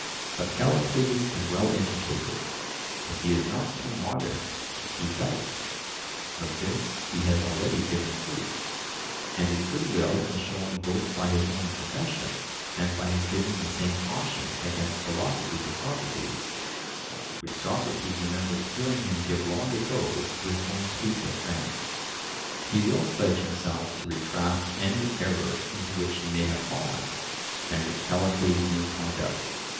But Callicles is well educated; and he is not too modest to speak out (of this he has already given proof), and his good will is shown both by his own profession and by his giving the same caution against philosophy to Socrates, which Socrates remembers hearing him give long ago to his own clique of friends. He will pledge himself to retract any error into which he may have fallen, and which Callicles may point out.